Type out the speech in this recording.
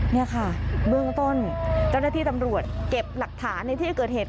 นี่ค่ะเบื้องต้นเจ้าหน้าที่ตำรวจเก็บหลักฐานในที่เกิดเหตุ